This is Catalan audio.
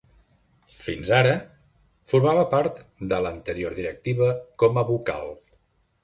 Fins ara, formava part de l'anterior directiva com a vocal.